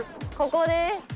ここです。